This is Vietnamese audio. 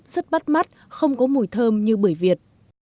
rất bắt mắt không có mùi thơm như bưởi việt